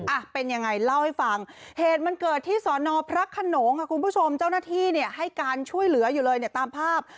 อ่ะเป็นยังไงเล่าให้ฟังเหตุมันเกิดที่สอนอพระขนงค่ะคุณผู้ชมเจ้าหน้าที่เนี่ยให้การช่วยเหลืออยู่เลยเนี่ยตามภาพ